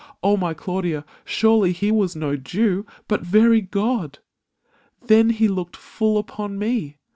Oh, my Claudia, Surely he was no Jew but very god ! Then he looked full upon me.